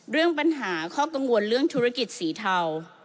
เรื่องปัญหาข้อกังวลเรื่องธุรกิจสีเทา